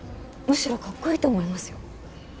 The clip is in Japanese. むしろかっこいいと思いますよ。